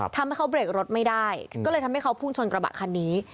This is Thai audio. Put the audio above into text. ทำให้เขาเบรกรถไม่ได้ก็เลยทำให้เขาพุ่งชนกระบะคันนี้